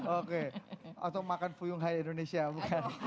oke atau makan fuyung hai indonesia bukan